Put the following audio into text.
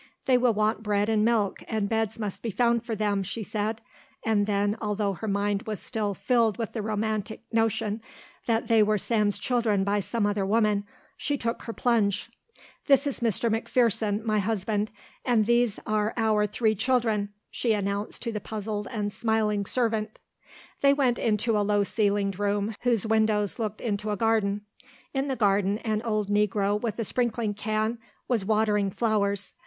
"They will want bread and milk, and beds must be found for them," she said, and then, although her mind was still filled with the romantic notion that they were Sam's children by some other woman, she took her plunge. "This is Mr. McPherson, my husband, and these are our three children," she announced to the puzzled and smiling servant. They went into a low ceilinged room whose windows looked into a garden. In the garden an old Negro with a sprinkling can was watering flowers.